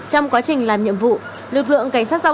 hôm nay em làm bên thủy lệ em không có tắc xá